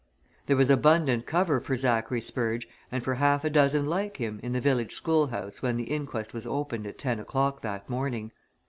There was abundant cover for Zachary Spurge and for half a dozen like him in the village school house when the inquest was opened at ten o'clock that morning.